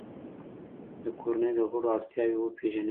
د کورنۍ د غړو اړتیاوې وپیژنئ.